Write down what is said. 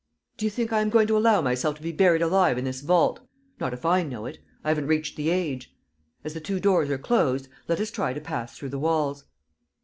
"Do you think I am going to allow myself to be buried alive in this vault? ... Not if I know it; I haven't reached the age! ... As the two doors are closed, let us try to pass through the walls."